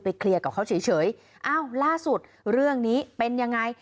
เคลียร์กับเขาเฉยอ้าวล่าสุดเรื่องนี้เป็นยังไง